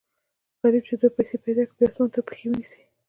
غریب چې دوې پیسې پیدا کړي، بیا اسمان ته پښې و نیسي.